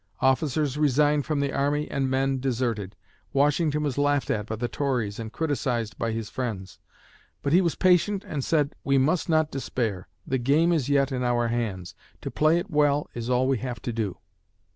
Officers resigned from the army and men deserted. Washington was laughed at by the Tories and criticized by his friends. But he was patient and said, "We must not despair! The game is yet in our hands; to play it well is all we have to do."